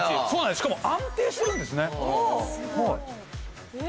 しかも安定しているんですね。